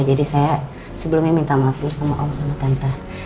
jadi saya sebelumnya minta maaf dulu sama om sama tante